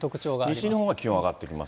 西日本は気温が上がってきます。